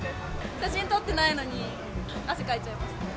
写真撮ってないのに、汗かいちゃいました。